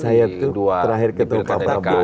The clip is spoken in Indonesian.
saya tuh terakhir ketukar prabowo